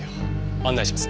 案内します。